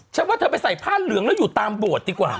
ว่าเธอไปใส่ผ้าเหลืองแล้วอยู่ตามโบสถ์ดีกว่า